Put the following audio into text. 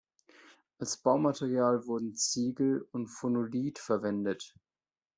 Als Baumaterial wurden Ziegel und Phonolith verwendet.